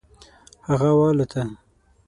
هغه والوته.